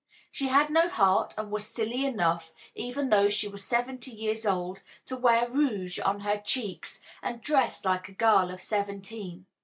She had no heart, and was silly enough, even though she was seventy years old, to wear rouge on her cheeks and dress like a girl of seventeen.